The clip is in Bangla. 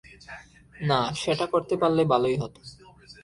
না, সেটা করতে পারলে ভালোই হতো।